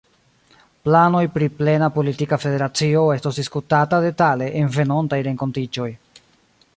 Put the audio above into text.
Planoj pri plena politika federacio estos diskutata detale en venontaj renkontiĝoj.